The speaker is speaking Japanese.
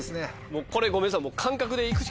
もうこれごめんなさい。